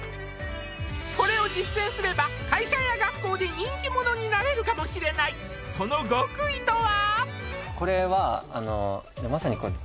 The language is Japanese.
これを実践すれば会社や学校で人気者になれるかもしれないその極意とは？